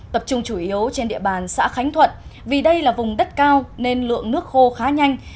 tập trung chủ yếu trên địa bàn xã khánh thuận vì đây là vùng đất cao nên lượng nước khô khá nhanh